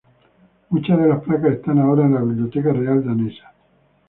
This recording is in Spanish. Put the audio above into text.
Muchas de las placas están ahora en la Biblioteca Real danesa.